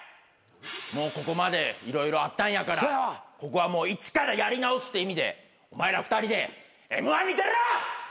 もうここまで色々あったんやからここはもう一からやり直すって意味でお前ら２人でＭ−１に出ろ！